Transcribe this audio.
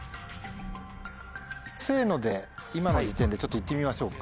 今の時点でちょっと言ってみましょうか。